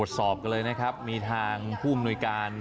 เช่นข้างหลังหน่อยฮะ